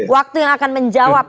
waktu yang akan menjawab